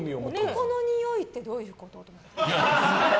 男のにおいってどういうこと？って思って。